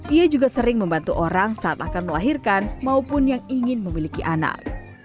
ia juga sering membantu orang saat akan melahirkan maupun yang ingin memiliki anak